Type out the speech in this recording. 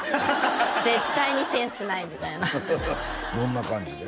絶対にセンスないみたいなどんな感じで？